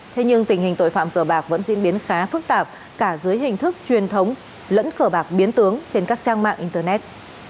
thế nhưng tình hình tội phạm cờ bạc vẫn diễn biến khá phức tạp cả dưới hình thức truyền thống lẫn cờ bạc biến tướng trên các trang mạng internet